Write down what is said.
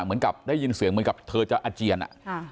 เหมือนกับได้ยินเสียงเหมือนกับเธอจะอาเจียน